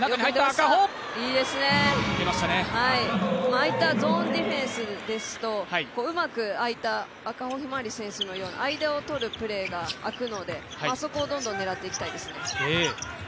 ああいったゾーンディフェンスですとうまく、ああいった赤穂ひまわり選手のような、間をとるプレーがあくので、そこをどんどん狙っていきたいですね。